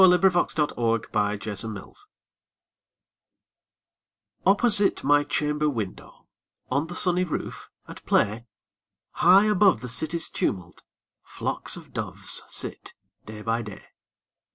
Louisa May Alcott My Doves OPPOSITE my chamber window, On the sunny roof, at play, High above the city's tumult, Flocks of doves sit day by day.